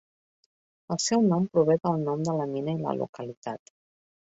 El seu nom prové del nom de la mina i la localitat.